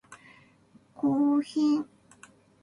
此处贡献的语句将被添加到采用许可证的公开数据集中。